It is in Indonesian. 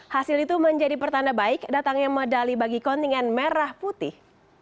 hasil itu menjadi pertanda baik datangnya medali bagi kontingen merah putih